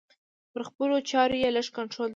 پر خپلو چارو یې لږ کنترول درلود.